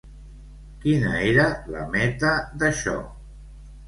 Quina era la meta d'això?